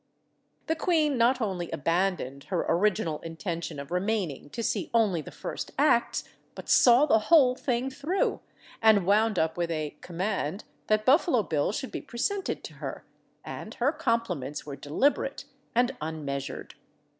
The queen not only abandoned her original intention of remaining to see only the first acts, but saw the whole thing through, and wound up with a "command" that Buffalo Bill should be presented to her, and her compliments were deliberate and unmeasured.